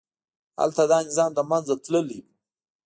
هلته دا نظام له منځه تللي وو.